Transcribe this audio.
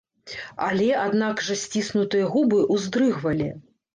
Але аднак жа сціснутыя губы ўздрыгвалі.